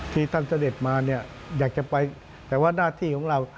ที่ท่านเจ้าเด็จมาอยากจะไปแต่ว่านาธิของเรา